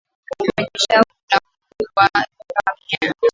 kwenye shavu la mguu wa ngamia